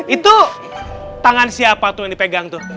itu tangan siapa tuh yang dipegang tuh